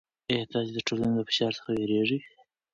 آیا تاسې د ټولنې له فشار څخه وېرېږئ؟